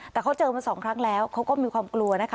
แต่เขาเจอมาสองครั้งแล้วเขาก็มีความกลัวนะคะ